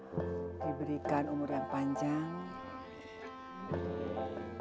diberikan umuran panjang juga jangan salah brad conceptitting amin perfect